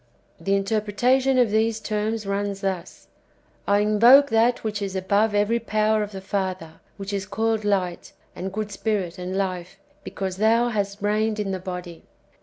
^ The in terpretation of these terms runs thus :" I invoke that which is above every power of the Father, which is called light, and good Spirit, and life, because Thou hast reigned in the body."